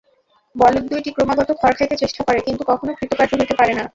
বলদ দুইটি ক্রমাগত খড় খাইতে চেষ্টা করে, কিন্তু কখনও কৃতকার্য হইতে পারে না।